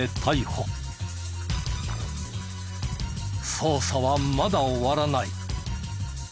捜査はまだ終わらない。